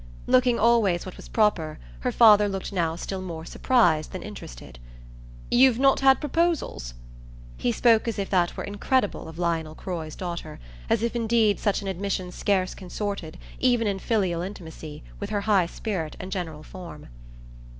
Looking always what was proper, her father looked now still more surprised than interested. "You've not had proposals?" He spoke as if that were incredible of Lionel Croy's daughter; as if indeed such an admission scarce consorted, even in filial intimacy, with her high spirit and general form.